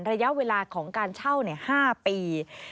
ระยะเวลาของการเช่า๕ปี